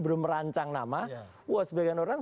belum merancang nama wah sebagian orang